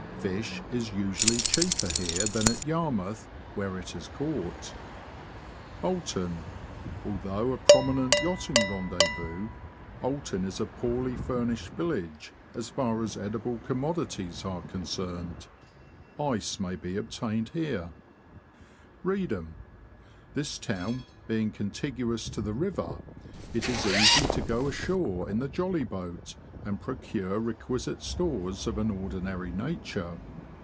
Fish is usually cheaper here than at Yarmouth, where it is caught. Oulton. — Although a prominent yachting rendezvous. COMMISSARIAT DEPOTS. 207 Oulton is a poorly furnished village as far as edible commodities are concerned. Ice may be obtained here. Reedham. — This town being contiguous to the river, it is easy to go ashore in the jolly boat, and procure requisite stores of an ordinary nature.